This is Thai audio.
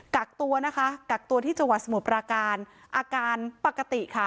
กักตัวที่จังหวัดสมุดประการอาการปกติ